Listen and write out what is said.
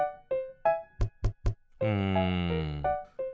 うん。